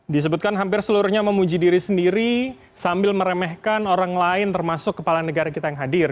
disebutkan hampir seluruhnya memuji diri sendiri sambil meremehkan orang lain termasuk kepala negara kita yang hadir